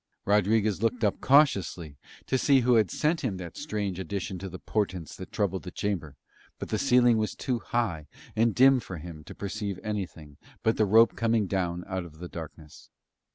Rodriguez looked up cautiously to see who had sent him that strange addition to the portents that troubled the chamber, but the ceiling was too high and dim for him to perceive anything but the rope coming down out of the darkness.